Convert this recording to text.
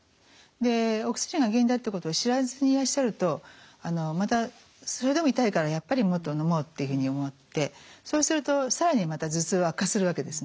お薬が原因だってことを知らずにいらっしゃるとまたそれでも痛いからやっぱりもっとのもうっていうふうに思ってそうすると更にまた頭痛は悪化するわけですね。